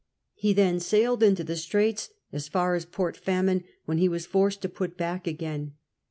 He then sailed into the Straits as far as Port Famine, when he was forced to put back agJiin.